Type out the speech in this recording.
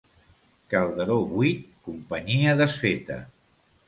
Calderó buit, companyia desfeta.